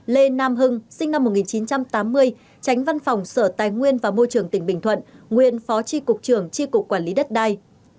năm lê nam hưng sinh năm một nghìn chín trăm tám mươi tránh văn phòng sở tài nguyên và môi trường tỉnh bình thuận nguyên phó tri cục trường tri cục quản lý đất đai